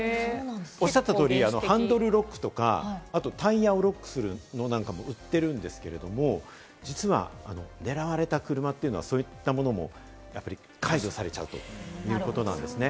おっしゃった通り、ハンドルロックとかタイヤをロックするものなんかも売ってるんですけれども、実は狙われた車というのは、そういったものもやっぱり解除されちゃうということなんですね。